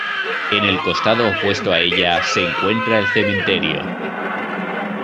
En el costado opuesto a ella se encuentra el cementerio.